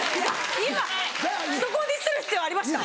今そこディスる必要ありました？